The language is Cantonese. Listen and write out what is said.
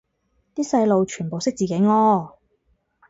啲細路全部識自己屙